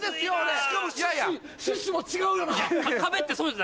しかも趣旨趣旨も違うよな？